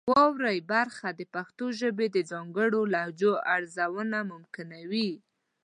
واورئ برخه د پښتو ژبې د ځانګړو لهجو ارزونه ممکنوي.